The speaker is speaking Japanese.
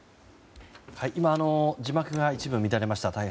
今、字幕が一部乱れました。